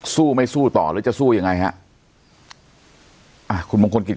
สู้ไม่สู้ต่อหรือจะสู้ยังไงฮะอ่าคุณมงคลกิจ